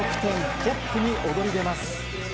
トップに躍り出ます。